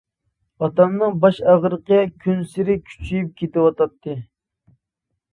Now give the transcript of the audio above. ئاتامنىڭ باش ئاغرىقى كۈنسېرى كۈچىيىپ كېتىۋاتاتتى.